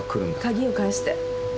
鍵を返して。